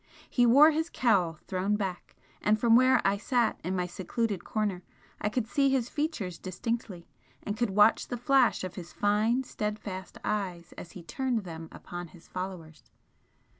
He wore his cowl thrown back, and from where I sat in my secluded corner I could see his features distinctly, and could watch the flash of his fine steadfast eyes as he turned them upon his followers.